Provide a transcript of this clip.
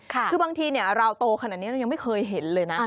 คือบางทีเราโตขนาดนี้เรายังไม่เคยเห็นเลยนะ